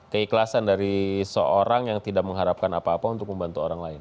keikhlasan dari seorang yang tidak mengharapkan apa apa untuk membantu orang lain